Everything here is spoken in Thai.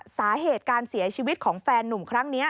สาเหตุการเสียชีวิตของแฟนนุ่มครั้งนี้